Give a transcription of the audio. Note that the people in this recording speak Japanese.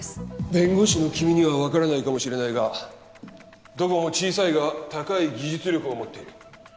弁護士の君にはわからないかもしれないがどこも小さいが高い技術力を持っている。